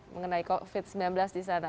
mengenai covid sembilan belas di sana